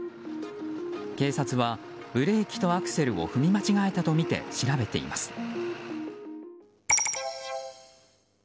警察はブレーキとアクセルを踏み間違えたとみて調べています。